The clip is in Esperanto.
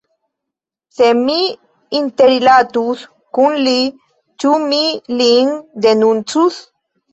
Se mi interrilatus kun li, ĉu mi lin denuncus?